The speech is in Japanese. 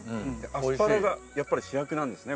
アスパラがやっぱり主役なんですね。